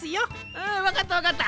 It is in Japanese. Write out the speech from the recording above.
うんわかったわかった。